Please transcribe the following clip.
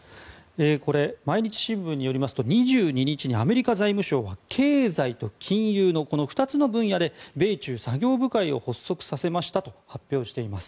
これ、毎日新聞によりますと２２日にアメリカ財務省が経済と金融の２つの分野で米中作業部会を発足させたと発表しています。